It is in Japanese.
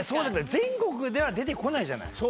全国では出てこないじゃない。